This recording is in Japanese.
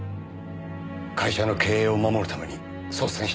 会社の経営を守るために率先して。